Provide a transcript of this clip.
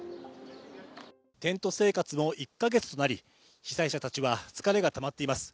テント生活も１か月となり、被災者たちは疲れがたまっています。